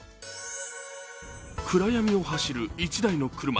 暗闇を走る１台の車。